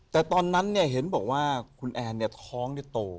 แต่ตอนนั้นเนี่ยเห็นบอกว่าคุณแอ่ร์เนี่ยท้องเนี่ยโต